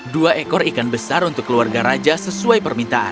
dua ekor ikan besar untuk keluarga raja sesuai permintaan